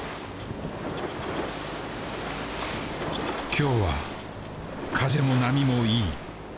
今日は風も波もいい。